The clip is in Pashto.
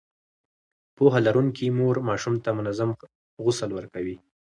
پوهه لرونکې مور ماشوم ته منظم غسل ورکوي.